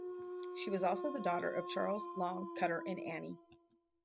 She was also the daughter of Charles Long Cutter and Annie.